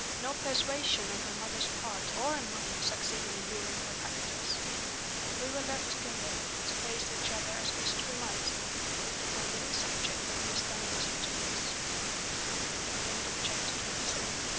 No persuasion on her mother's part or on mine succeeded in luring her back to us. We were left together, to face each other as best we might with the forbidden subject of Miss Dunross between us. CHAPTER XXVIII. LOVE AND MONEY.